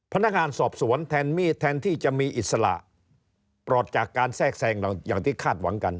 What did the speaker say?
พนักงานสอบสวนแทนมีดแทนที่จะมีอิสระปลอดจากการแทรกแทรงอย่างที่คาดหวังกัน